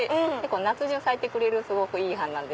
夏中咲いてくれるすごくいい花で。